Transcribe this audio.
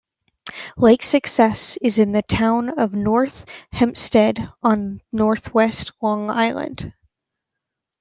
Lake Success is in the Town of North Hempstead on northwest Long Island.